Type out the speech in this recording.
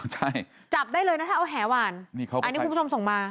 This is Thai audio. ใช่จับได้เลยนะถ้าเอาแหหวานอันนี้คุณผู้ชมส่งมา